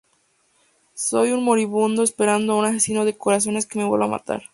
Soy un moribundo esperando a un asesino de corazones que me vuelva a matar.